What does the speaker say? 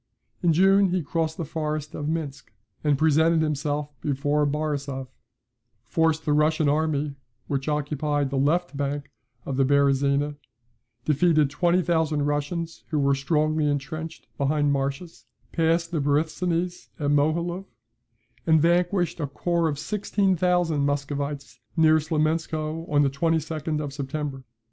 In June he crossed the forest of Minsk, and presented himself before Borisov; forced the Russian army, which occupied the left bank of the Beresina; defeated 20,000 Russians who were strongly entrenched behind marshes; passed the Borysthenes at Mohiloev, and vanquished a corps of 16,000 Muscovites near Smolensko, on the 22d of September.